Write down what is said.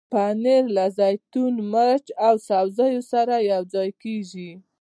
پنېر له زیتون، مرچ او سبزیو سره یوځای کېږي.